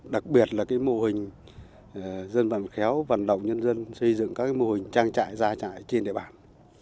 đặc biệt là mô hình dân vận khéo vận động nhân dân xây dựng các mô hình trang trại gia trại trên địa bàn